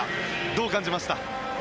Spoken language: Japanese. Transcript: どう感じました？